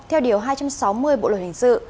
theo điều hai trăm sáu mươi bộ luật hình sự